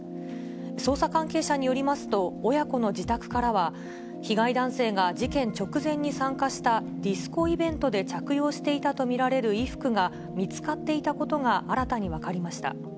捜査関係者によりますと、親子の自宅からは、被害男性が事件直前に参加した、ディスコイベントで着用していたと見られる衣服が見つかっていたことが、新たに分かりました。